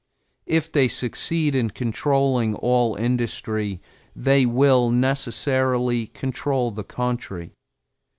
If they succeed in controlling all industry, they will necessarily control the country.